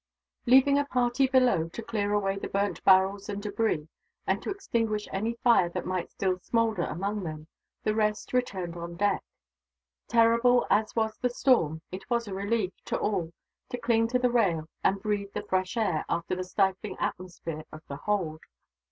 Leaving a party below, to clear away the burnt barrels and debris, and to extinguish any fire that might still smoulder among them, the rest returned on deck. Terrible as was the storm, it was a relief, to all, to cling to the rail and breathe the fresh air, after the stifling atmosphere of the hold.